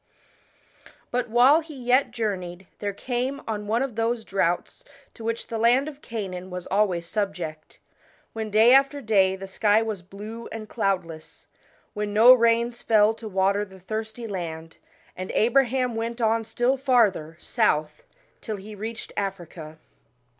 But while he yet journeyed, there came on one of those droughts to which the land of Canaan was always subject, when day after day the sky was blue and cloudless, when no rains fell to water the thirsty land, and Abraham went on still farther south till he reached Africa.